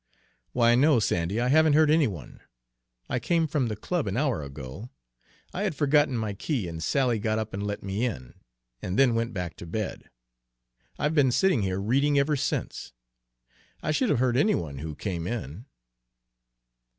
"Why, no, Sandy, I haven't heard any one. I came from the club an hour ago. I had forgotten my key, and Sally got up and let me in, and then went back to bed. I've been sitting here reading ever since. I should have heard any one who came in."